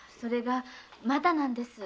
まだなんです。